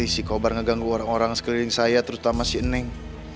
isi kobar ngeganggu orang orang sekeliling saya terutama si neng